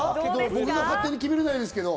僕が勝手に決めれないですけれど。